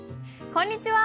こんにちは。